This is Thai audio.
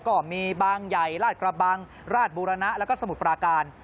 ก็ก็มีบางใหญ่ราดกระบังราดบูรณาและสมุดปลาการ